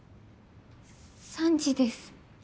３時です。